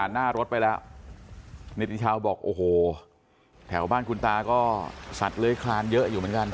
หน้ารถไปแล้วนิติชาวบอกโอ้โหแถวบ้านคุณตาก็สัตว์เลื้อยคลานเยอะอยู่เหมือนกัน